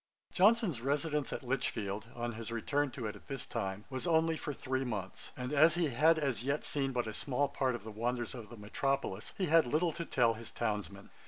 Johnson's residence at Lichfield, on his return to it at this time, was only for three months; and as he had as yet seen but a small part of the wonders of the Metropolis, he had little to tell his townsmen.